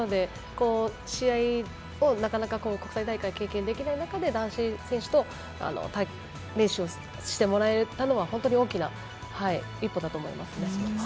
試合をなかなか国際大会経験できない中で男子選手と練習してもらえたのは本当に大きな一歩だと思います。